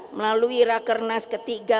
melalui rakernas ketiga